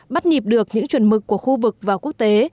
bắt nhịp được những chuẩn mực của khu vực và quốc tế